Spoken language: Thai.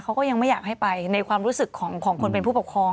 เขาก็ยังไม่อยากให้ไปในความรู้สึกของคนเป็นผู้ปกครอง